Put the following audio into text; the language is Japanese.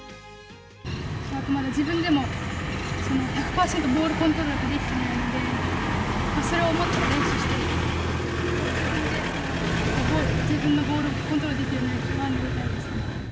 自分でも１００％ボールコントロールができているわけではないので、それをもっと練習して、自分のボールをコントロールできるようになりたいですね。